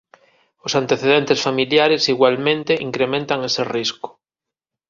Os antecedentes familiares igualmente incrementan ese risco.